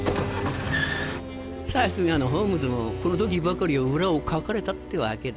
さすがのホームズもこの時ばかりは裏をかかれたってわけだ。